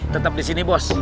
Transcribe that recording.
tetap disini bos